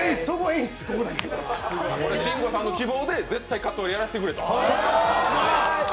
慎吾さんの希望で、絶対カットインやらせてくれと。